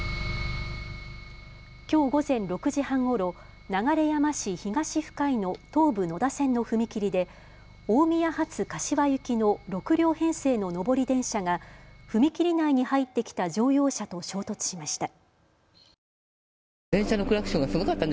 きょう午前６時半ごろ流山市東深井の東武野田線の踏切で大宮発柏行きの６両編成の上り電車が踏切内に入ってきた乗用車と衝突しました。